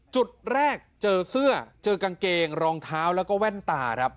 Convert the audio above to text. จุดแรกเจอเสื้อเจอกางเกงรองเท้าแล้วก็แว่นตาครับ